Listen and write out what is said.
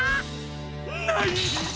ない！